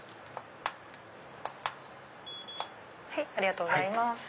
ありがとうございます。